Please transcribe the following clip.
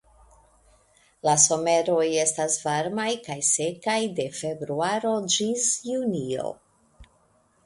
La someroj estas varmaj kaj sekaj de februaro ĝis junio.